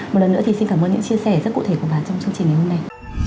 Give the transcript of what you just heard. một lần nữa thì xin cảm ơn những chia sẻ rất cụ thể của bà trong chương trình ngày hôm nay